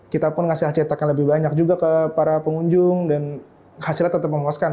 kita pun ngasih cetak yang lebih banyak juga ke para pengunjung dan hasilnya tetap memuaskan